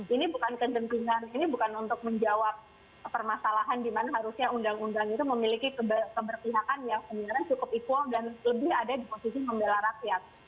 ini bukan kegentingan ini bukan untuk menjawab permasalahan di mana harusnya undang undang itu memiliki keberpihakan yang sebenarnya cukup equal dan lebih ada di posisi membela rakyat